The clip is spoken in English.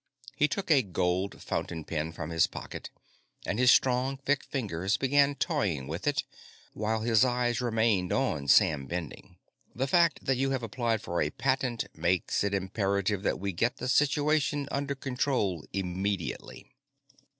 He took a gold fountain pen from his pocket, and his strong, thick fingers began toying with it while his eyes remained on Sam Bending. "The fact that you have applied for a patent makes it imperative that we get the situation under control immediately."